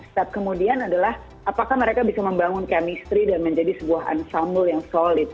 step kemudian adalah apakah mereka bisa membangun chemistry dan menjadi sebuah unsumble yang solid